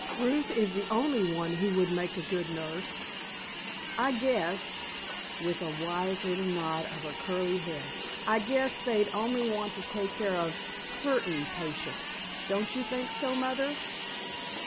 Ruth is the only one who would make a good nurse. I guess"—with a wise little nod of her curly head—"I guess they'd only want to take care of certain patients, don't you think so, Mother?"